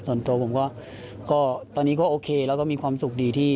ส่วนตัวผมก็ตอนนี้ก็โอเคแล้วก็มีความสุขดีที่